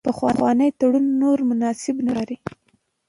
پخوانی تړون نور مناسب نه ښکاري.